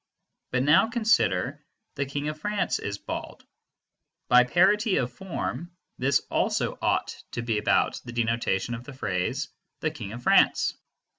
But now consider "the King of France is bald." By parity of form, this also ought to be about the denotation of the phrase "the King of France."